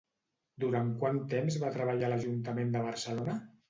Durant quant temps va treballar a l'Ajuntament de Barcelona?